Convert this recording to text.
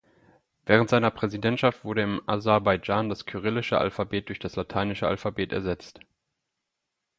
Während seiner Präsidentschaft wurde im Aserbaidschan das kyrillische Alphabet durch das lateinische Alphabet ersetzt.